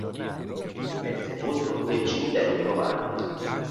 È sepolto nel cimitero di Novara.